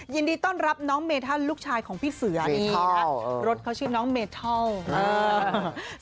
ยินดีต้อนรับน้องเมธันลูกชายของพี่เสือนี่นะรถเขาชื่อน้องเมทัล